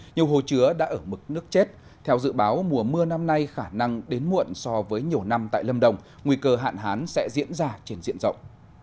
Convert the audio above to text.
nhiều hồ chứa đã ở mực nước chết theo dự báo mùa mưa năm nay khả năng đến muộn so với nhiều năm tại lâm đồng nguy cơ hạn hán sẽ diễn ra trên diện rộng